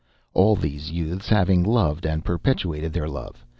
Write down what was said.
All these youths have loved and perpetuated their love.